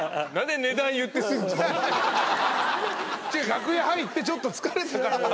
楽屋入ってちょっと疲れたから。